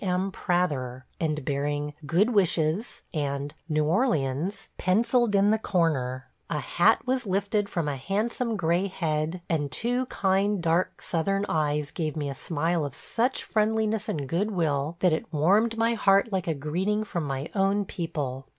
M. Prather," and bearing "good wishes" and "New Orleans" pencilled in the corner. A hat was lifted from a handsome gray head, and two kind dark Southern eyes gave me a smile of such friendliness and good will that it warmed my heart like a greeting from my own people.